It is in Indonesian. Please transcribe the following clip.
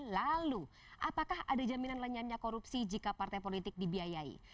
lalu apakah ada jaminan lenyannya korupsi jika partai politik dibiayai